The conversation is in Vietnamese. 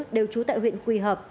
đều trú tại huyện quỳ hợp